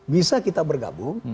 bisa kita bergabung